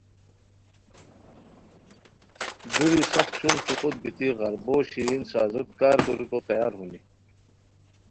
دُ وری سف چوم چوقوت بیتی غربو شیرین سازوت کار کوریکوت تیار ہونی